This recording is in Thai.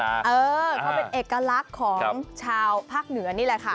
เออก็เป็นเอกลักษณ์ของชาวภาคเหนือนี่แหละค่ะ